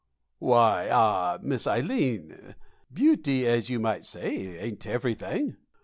"Why ah, Miss Ileen, beauty, as you might say, ain't everything.